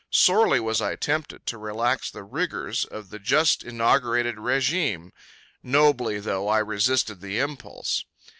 Sorely was I tempted to relax the rigors of the just inaugurated régime; nobly, though, I resisted the impulse.